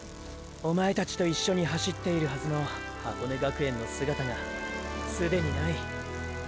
おまえたちと一緒に走っているはずの箱根学園の姿がーーすでにない！